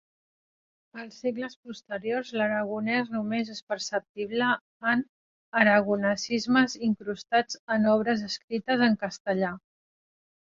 Als segles posteriors l'aragonès només és perceptible en aragonesismes incrustats en obres escrites en castellà.